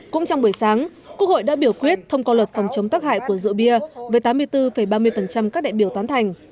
cũng trong buổi sáng quốc hội đã biểu quyết thông qua luật phòng chống tắc hại của rượu bia với tám mươi bốn ba mươi các đại biểu tán thành